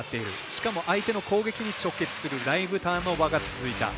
しかも相手の攻撃に直結するライブターンオーバーが続いた。